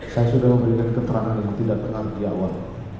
saya sudah memberikan keterangan yang tidak pernah diawar